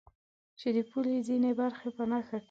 چې د پولې ځینې برخې په نښه کړي.